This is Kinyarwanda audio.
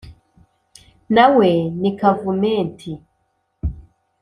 Na we ni Kavumenti :